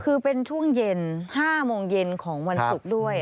คือเป็นช่วงเย็น๕โมงเย็นของวันศุกร์ด้วย